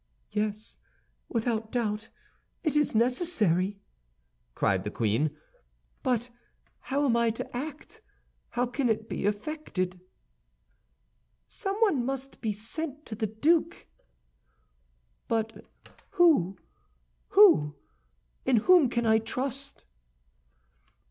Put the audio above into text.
"Yes, without doubt, it is necessary," cried the queen; "but how am I to act? How can it be effected?" "Someone must be sent to the duke." "But who, who? In whom can I trust?"